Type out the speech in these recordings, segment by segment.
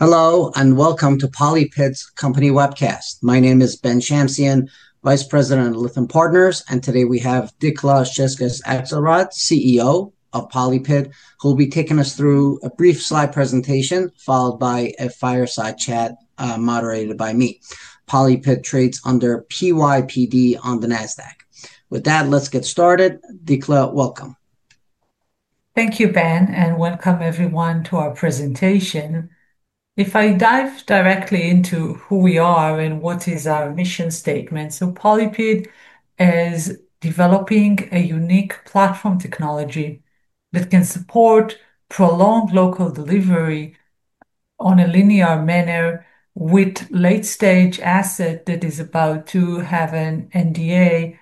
Hello, and welcome to PolyPid's Company Webcast. My name is Ben Shamsian, Vice President of Lytham Partners, and today we have Dikla Czaczkes Akselbrad, CEO of PolyPid, who will be taking us through a brief slide presentation followed by a fireside chat moderated by me. PolyPid trades under PYPD on the Nasdaq. With that, let's get started. Dikla, welcome. Thank you, Ben, and welcome everyone to our presentation. If I dive directly into who we are and what is our mission statement, so PolyPid is developing a unique platform technology that can support prolonged local delivery on a linear manner with late-stage asset that is about to have an NDA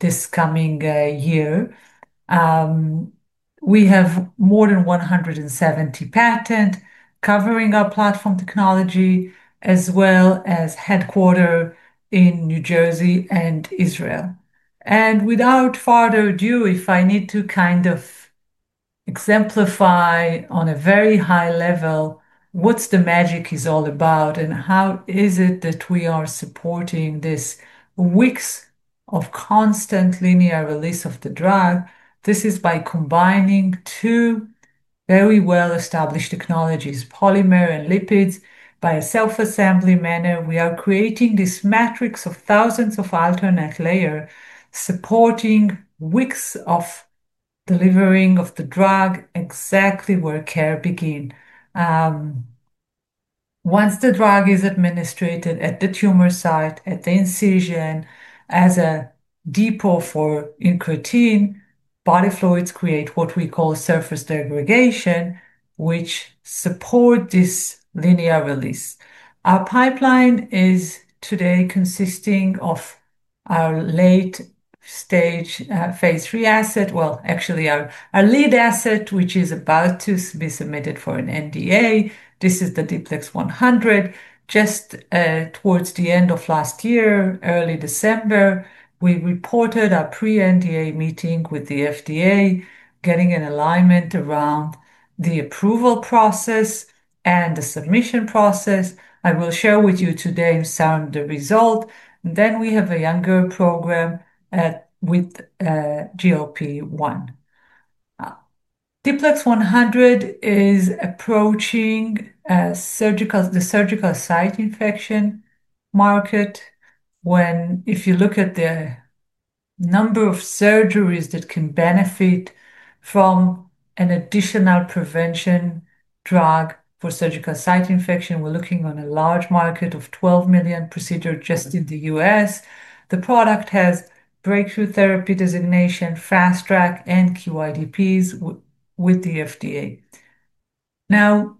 this coming year. We have more than 170 patents covering our platform technology, as well as headquartered in New Jersey and Israel. Without further ado, if I need to kind of exemplify on a very high level what the magic is all about and how is it that we are supporting this weeks of constant linear release of the drug, this is by combining two very well-established technologies, polymer and lipids, by a self-assembly manner. We are creating this matrix of thousands of alternate layers supporting weeks of delivering of the drug exactly where care begins. Once the drug is administered at the tumor site, at the incision, as a depot for incretin, body fluids create what we call surface degradation, which supports this linear release. Our pipeline is today consisting of our late-stage phase three asset, well, actually our lead asset, which is about to be submitted for an NDA. This is the D-PLEX 100. Just towards the end of last year, early December, we reported our pre-NDA meeting with the FDA, getting an alignment around the approval process and the submission process. I will share with you today in some of the results. Then we have a younger program with GLP-1. D-PLEX 100 is approaching the surgical site infection market when, if you look at the number of surgeries that can benefit from an additional prevention drug for surgical site infection, we're looking at a large market of 12 million procedures just in the U.S. The product has breakthrough therapy designation, fast track, and QIDPs with the FDA. Now,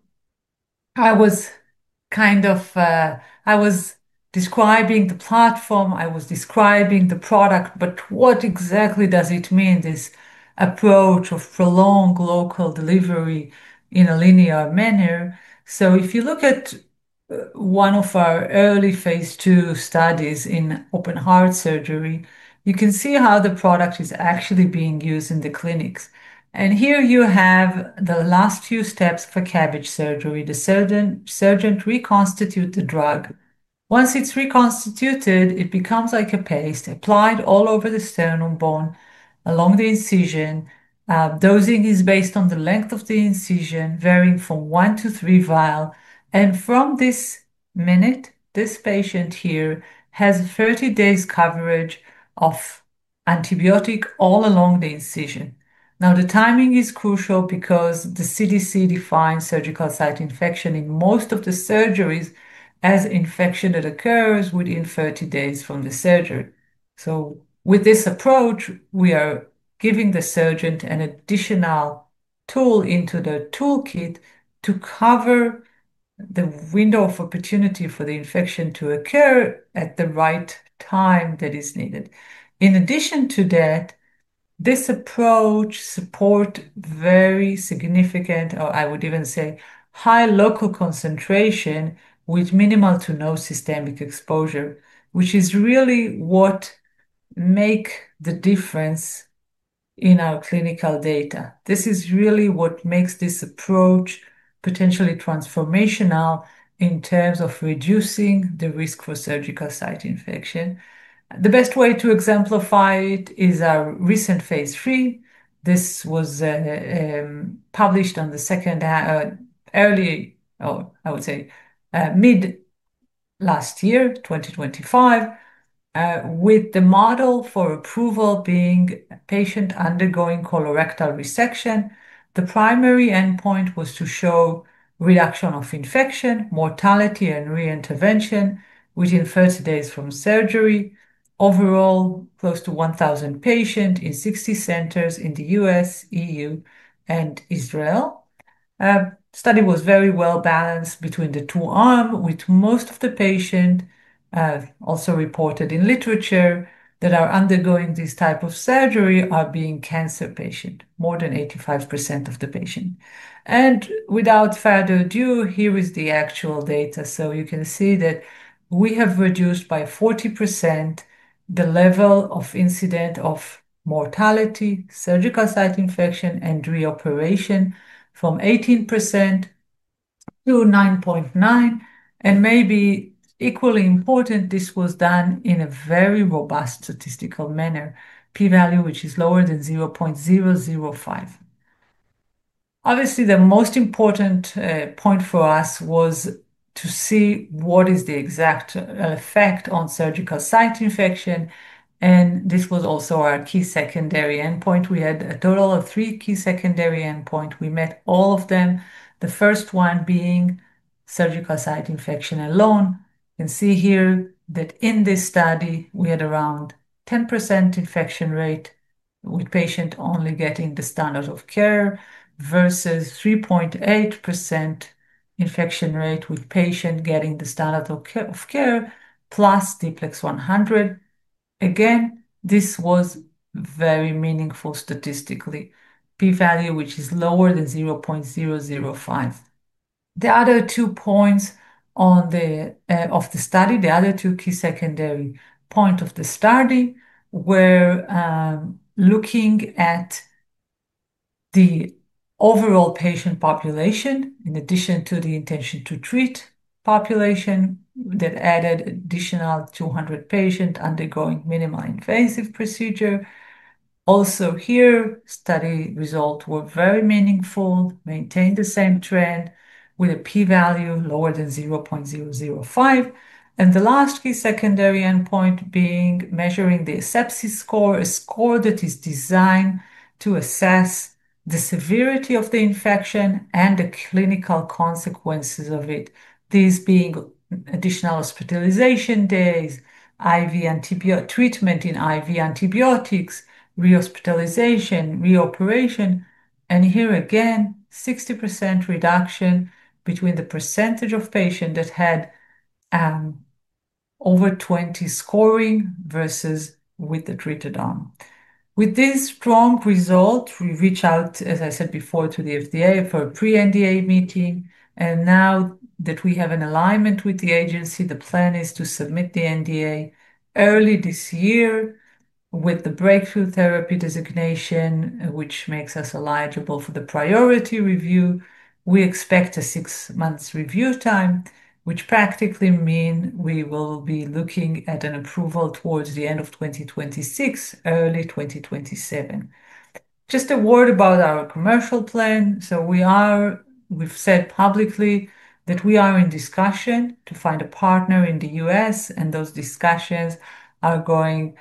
I was kind of describing the platform, I was describing the product, but what exactly does it mean, this approach of prolonged local delivery in a linear manner? So if you look at one of our early phase two studies in open heart surgery, you can see how the product is actually being used in the clinics. Here you have the last few steps for CABG surgery. The surgeon reconstitutes the drug. Once it's reconstituted, it becomes like a paste applied all over the sternum bone along the incision. Dosing is based on the length of the incision, varying from one to three vials. From this minute, this patient here has 30 days coverage of antibiotic all along the incision. Now, the timing is crucial because the CDC defines surgical site infection in most of the surgeries as infection that occurs within 30 days from the surgery. With this approach, we are giving the surgeon an additional tool into the toolkit to cover the window of opportunity for the infection to occur at the right time that is needed. In addition to that, this approach supports very significant, or I would even say high local concentration with minimal to no systemic exposure, which is really what makes the difference in our clinical data. This is really what makes this approach potentially transformational in terms of reducing the risk for surgical site infection. The best way to exemplify it is our recent phase three. This was published on the second, early, or I would say mid last year, 2025, with the model for approval being a patient undergoing colorectal resection. The primary endpoint was to show reduction of infection, mortality, and re-intervention within 30 days from surgery. Overall, close to 1,000 patients in 60 centers in the U.S., EU, and Israel. The study was very well balanced between the two arms, with most of the patients also reported in literature that are undergoing this type of surgery being cancer patients, more than 85% of the patients. And without further ado, here is the actual data. So you can see that we have reduced by 40% the level of incidence of mortality, surgical site infection, and re-operation from 18%-9.9%. And maybe equally important, this was done in a very robust statistical manner, P-value, which is lower than 0.005. Obviously, the most important point for us was to see what is the exact effect on surgical site infection. And this was also our key secondary endpoint. We had a total of three key secondary endpoints. We met all of them, the first one being surgical site infection alone. You can see here that in this study, we had around 10% infection rate with patients only getting the standard of care versus 3.8% infection rate with patients getting the standard of care plus D-PLEX 100. Again, this was very meaningful statistically, P-value, which is lower than 0.005. The other two points of the study, the other two key secondary points of the study, were looking at the overall patient population in addition to the intention to treat population that added an additional 200 patients undergoing minimally invasive procedure. Also here, study results were very meaningful, maintained the same trend with a P-value lower than 0.005. And the last key secondary endpoint being measuring the sepsis score, a score that is designed to assess the severity of the infection and the clinical consequences of it. These being additional hospitalization days, IV antibiotic treatment in IV antibiotics, re-hospitalization, re-operation. And here again, 60% reduction between the percentage of patients that had over 20 scoring versus with the treated arm. With these strong results, we reach out, as I said before, to the FDA for a pre-NDA meeting. And now that we have an alignment with the agency, the plan is to submit the NDA early this year with the breakthrough therapy designation, which makes us eligible for the priority review. We expect a six-month review time, which practically means we will be looking at an approval towards the end of 2026, early 2027. Just a word about our commercial plan. So we are, we've said publicly that we are in discussion to find a partner in the U.S., and those discussions are going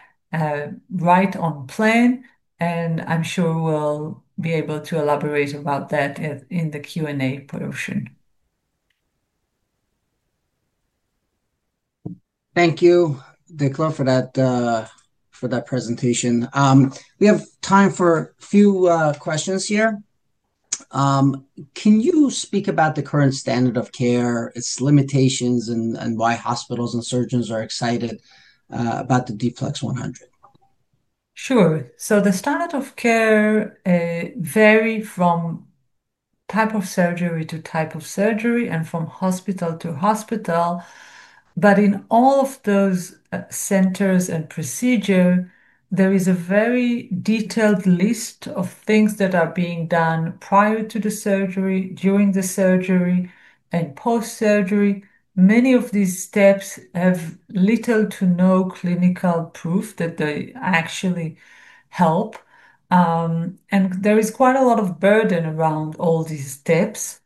right on plan. And I'm sure we'll be able to elaborate about that in the Q&A portion. Thank you, Dikla, for that presentation. We have time for a few questions here. Can you speak about the current standard of care, its limitations, and why hospitals and surgeons are excited about the D-PLEX 100? Sure. So the standard of care varies from type of surgery to type of surgery and from hospital to hospital. But in all of those centers and procedures, there is a very detailed list of things that are being done prior to the surgery, during the surgery, and post-surgery. Many of these steps have little to no clinical proof that they actually help. And there is quite a lot of burden around all these steps.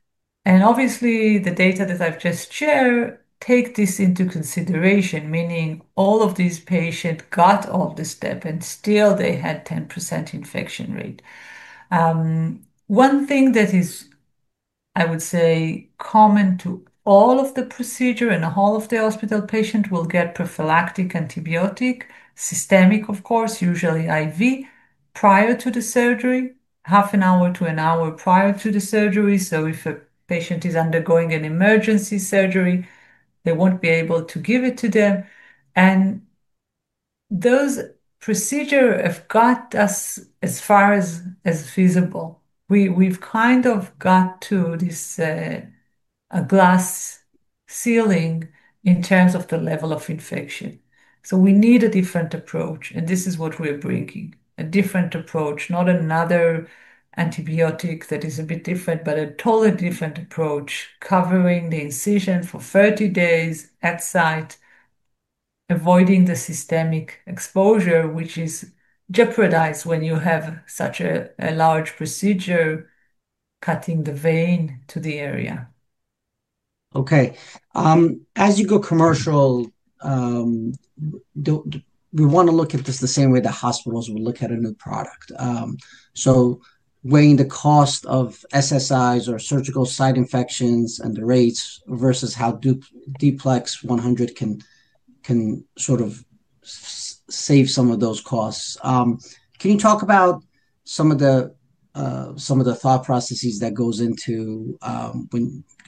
And obviously, the data that I've just shared takes this into consideration, meaning all of these patients got all the steps, and still they had a 10% infection rate. One thing that is, I would say, common to all of the procedures and all of the hospital patients will get prophylactic antibiotics, systemic, of course, usually IV, prior to the surgery, half an hour to an hour prior to the surgery. So if a patient is undergoing an emergency surgery, they won't be able to give it to them. And those procedures have got us as far as feasible. We've kind of got to this glass ceiling in terms of the level of infection. So we need a different approach, and this is what we're bringing, a different approach, not another antibiotic that is a bit different, but a totally different approach covering the incision for 30 days at site, avoiding the systemic exposure, which is jeopardized when you have such a large procedure cutting the vein to the area. Okay. As you go commercial, we want to look at this the same way that hospitals would look at a new product. So weighing the cost of SSIs or surgical site infections and the rates versus how D-PLEX 100 can sort of save some of those costs. Can you talk about some of the thought processes that go into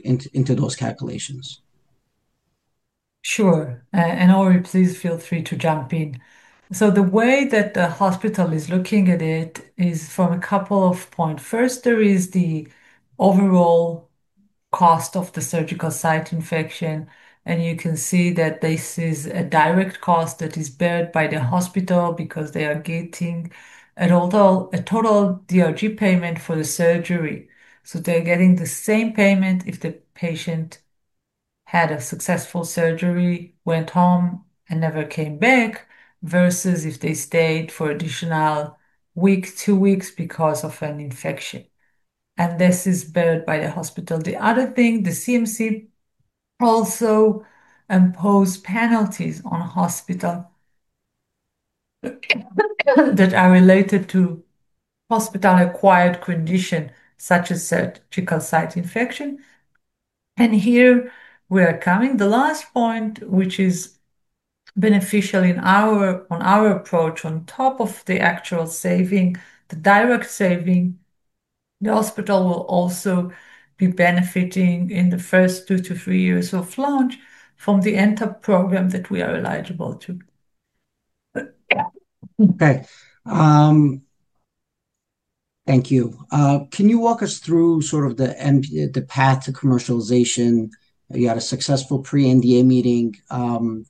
those calculations? Sure. And Ori, please feel free to jump in. So the way that the hospital is looking at it is from a couple of points. First, there is the overall cost of the surgical site infection. And you can see that this is a direct cost that is borne by the hospital because they are getting a total DRG payment for the surgery. So they're getting the same payment if the patient had a successful surgery, went home, and never came back, versus if they stayed for an additional week, two weeks because of an infection. And this is borne by the hospital. The other thing, the CMS also imposes penalties on hospitals that are related to hospital-acquired conditions, such as surgical site infection. And here we are coming. The last point, which is beneficial on our approach, on top of the actual saving, the direct saving, the hospital will also be benefiting in the first 2-3 years of launch from the NTAP program that we are eligible to. Okay. Thank you. Can you walk us through sort of the path to commercialization? You had a successful pre-NDA meeting.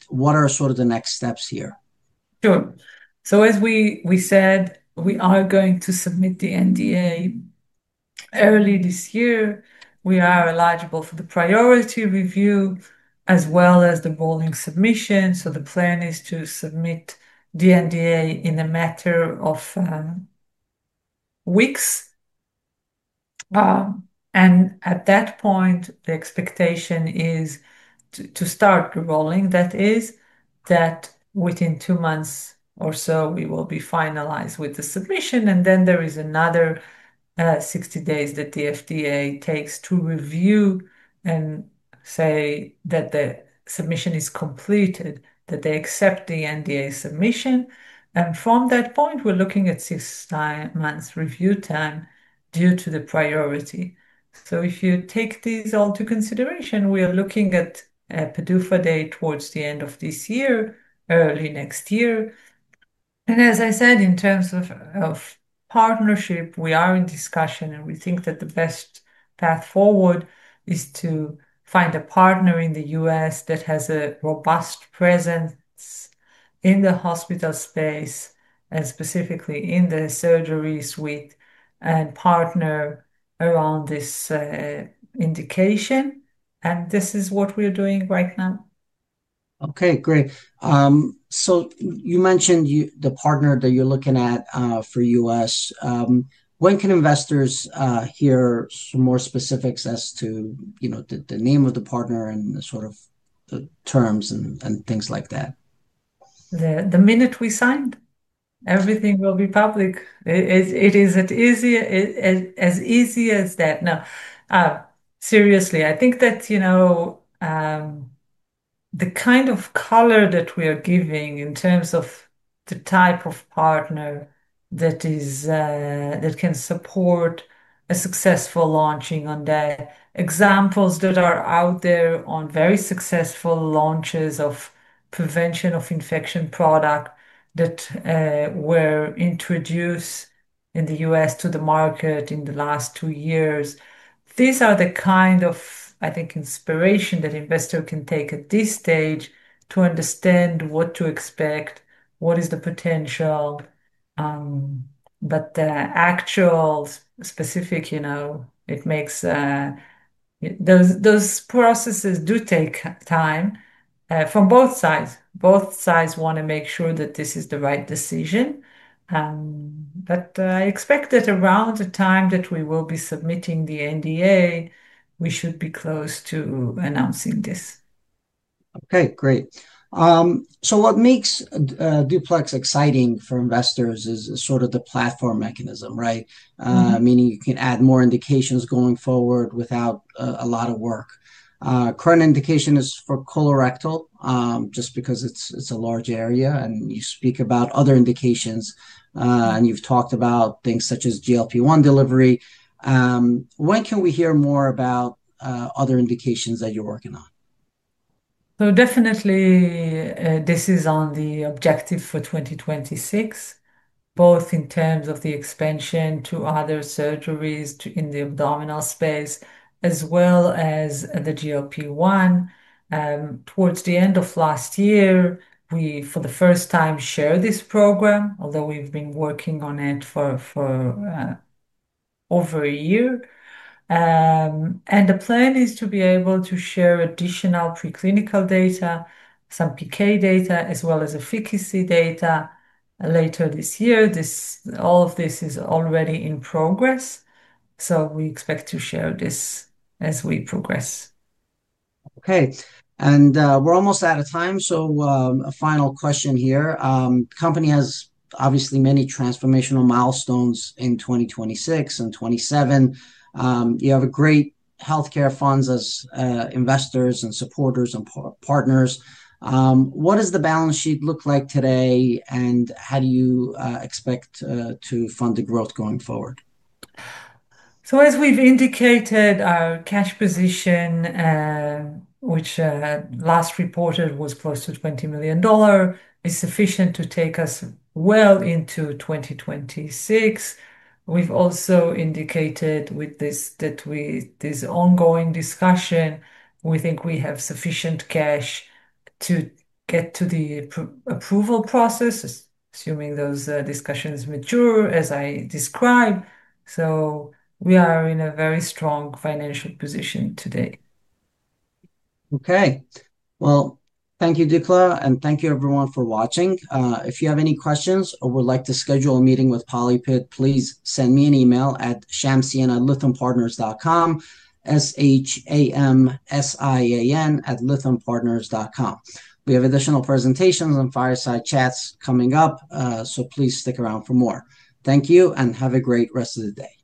What are sort of the next steps here? Sure. So as we said, we are going to submit the NDA early this year. We are eligible for the priority review as well as the rolling submission. So the plan is to submit the NDA in a matter of weeks. And at that point, the expectation is to start rolling. That is, that within two months or so, we will be finalized with the submission. And then there is another 60 days that the FDA takes to review and say that the submission is completed, that they accept the NDA submission. And from that point, we're looking at six months review time due to the priority. So if you take these all into consideration, we are looking at PDUFA Day towards the end of this year, early next year. As I said, in terms of partnership, we are in discussion, and we think that the best path forward is to find a partner in the U.S. that has a robust presence in the hospital space, and specifically in the surgery suite, and partner around this indication. This is what we're doing right now. Okay, great. So you mentioned the partner that you're looking at for U.S. When can investors hear some more specifics as to the name of the partner and sort of the terms and things like that? The minute we sign, everything will be public. It is as easy as that. Now, seriously, I think that the kind of color that we are giving in terms of the type of partner that can support a successful launching on that, examples that are out there on very successful launches of prevention of infection products that were introduced in the U.S. to the market in the last two years, these are the kind of, I think, inspiration that investors can take at this stage to understand what to expect, what is the potential. But the actual specific, it makes those processes do take time from both sides. Both sides want to make sure that this is the right decision. But I expect that around the time that we will be submitting the NDA, we should be close to announcing this. Okay, great. So what makes D-PLEX exciting for investors is sort of the platform mechanism, right? Meaning you can add more indications going forward without a lot of work. Current indication is for colorectal just because it's a large area. And you speak about other indications, and you've talked about things such as GLP-1 delivery. When can we hear more about other indications that you're working on? So definitely, this is on the objective for 2026, both in terms of the expansion to other surgeries in the abdominal space, as well as the GLP-1. Towards the end of last year, we, for the first time, shared this program, although we've been working on it for over a year. And the plan is to be able to share additional preclinical data, some PK data, as well as efficacy data later this year. All of this is already in progress. So we expect to share this as we progress. Okay. And we're almost out of time. So a final question here. The company has obviously many transformational milestones in 2026 and 2027. You have great healthcare funds as investors and supporters and partners. What does the balance sheet look like today, and how do you expect to fund the growth going forward? So as we've indicated, our cash position, which last reported was close to $20 million, is sufficient to take us well into 2026. We've also indicated with this ongoing discussion, we think we have sufficient cash to get to the approval process, assuming those discussions mature, as I described. So we are in a very strong financial position today. Okay. Thank you, Dikla, and thank you, everyone, for watching. If you have any questions or would like to schedule a meeting with PolyPid, please send me an email at shamsian@lythampartners.com. We have additional presentations and fireside chats coming up, so please stick around for more. Thank you, and have a great rest of the day.